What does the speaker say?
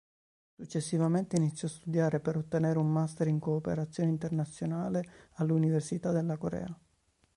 Successivamente iniziò a studiare per ottenere un master in cooperazione internazionale all'Università della Corea.